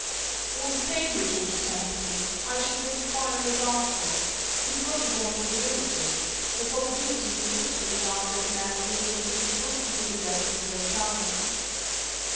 "All the same," retorted Campany, "I should make inquiry at Barthorpe. You've got to go on probabilities. The probabilities in this case are that the man was interested in the book because it dealt with his own town."